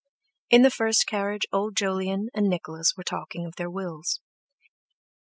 In the first carriage old Jolyon and Nicholas were talking of their wills.